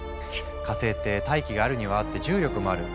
火星って大気があるにはあって重力もある。